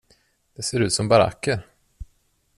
Det ser ut som baracker.